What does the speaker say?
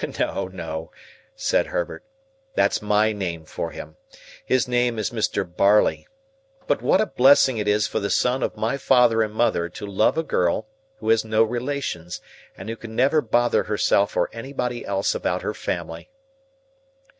"No, no," said Herbert, "that's my name for him. His name is Mr. Barley. But what a blessing it is for the son of my father and mother to love a girl who has no relations, and who can never bother herself or anybody else about her family!"